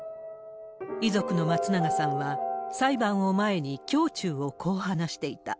遺族の松永さんは、裁判を前に、胸中をこう話していた。